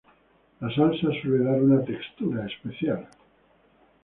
La salsa suele dar una textura especial.